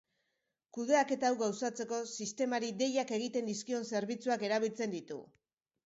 Kudeaketa hau gauzatzeko sistemari deiak egiten dizkion zerbitzuak erabiltzen ditu.